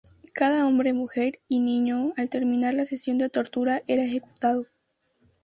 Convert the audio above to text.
Cada hombre, mujer y niño, al terminar la sesión de tortura, era ejecutado.